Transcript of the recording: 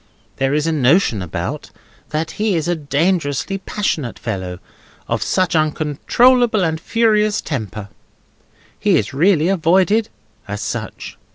There is a notion about, that he is a dangerously passionate fellow, of an uncontrollable and furious temper: he is really avoided as such."